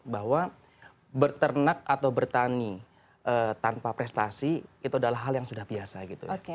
bahwa berternak atau bertani tanpa prestasi itu adalah hal yang sudah biasa gitu